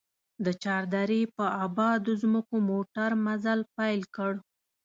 د چار درې په ابادو ځمکو موټر مزل پيل کړ.